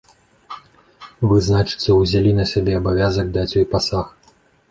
Вы, значыцца, узялі на сябе абавязак даць ёй пасаг.